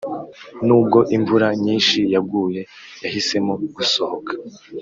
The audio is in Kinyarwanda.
nubwo imvura nyinshi yaguye, yahisemo gusohoka